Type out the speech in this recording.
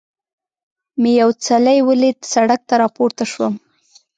مې یو څلی ولید، سړک ته را پورته شوم.